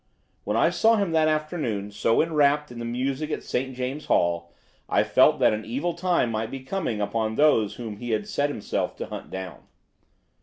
When I saw him that afternoon so enwrapped in the music at St. James's Hall I felt that an evil time might be coming upon those whom he had set himself to hunt down.